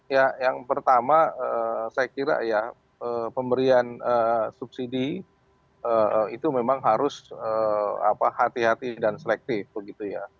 ya yang pertama saya kira ya pemberian subsidi itu memang harus hati hati dan selektif begitu ya